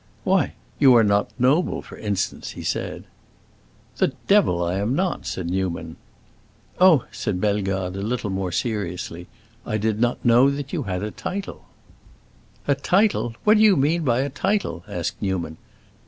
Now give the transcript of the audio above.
"Why, you are not noble, for instance," he said. "The devil I am not!" exclaimed Newman. "Oh," said Bellegarde a little more seriously, "I did not know you had a title." "A title? What do you mean by a title?" asked Newman.